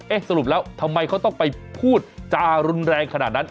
สรุปแล้วทำไมเขาต้องไปพูดจารุนแรงขนาดนั้น